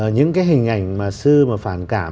những cái hình ảnh mà sư mà phản cảm